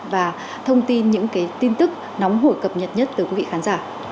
và thông tin những tin tức nóng hổi cập nhật nhất từ quý vị khán giả